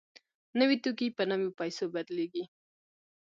نوي توکي په نویو پیسو بدلېږي